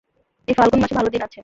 এই ফাল্গুন মাসে ভালো দিন আছে।